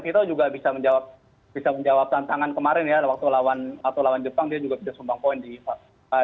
wih toto juga bisa menjawab tantangan kemarin ya waktu lawan jepang dia juga bisa sumbang poin di jepang